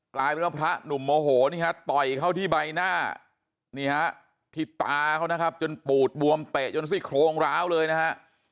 กลายเป็นว่าพระหนุ่มโมโหนี่ฮะต่อยเขาที่ใบหน้านี่ฮะที่ตาเขานะครับจนปูดบวมเตะจนซี่โครงร้าวเลยนะฮะ